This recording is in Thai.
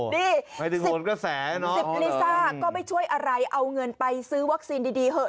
นี่๑๐ลีซ่าก็ไม่ช่วยอะไรเอาเงินไปซื้อวัคซีนดีเถอะ